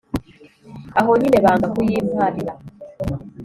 Aho nyine banga kuyimparira!